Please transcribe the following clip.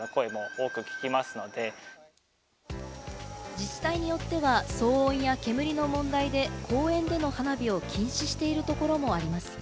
自治体によっては、騒音や煙の問題で、公園での花火を禁止しているところもあります。